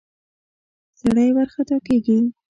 سړی ورخطا کېږي.